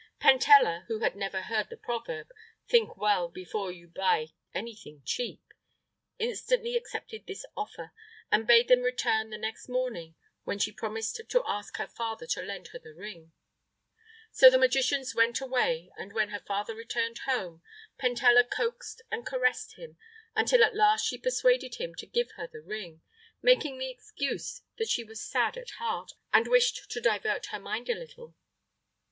Pentella, who had never heard the proverb, "Think well before you buy anything cheap," instantly accepted this offer, and bade them return the next morning, when she promised to ask her father to lend her the ring. So the magicians went away, and when her father returned home, Pentella coaxed and caressed him, until at last she persuaded him to give her the ring, making the excuse that she was sad at heart, and wished to divert her mind a little.